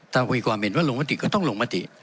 ถ้ามีความเห็นว่าลงมติก็ต้องลงมติ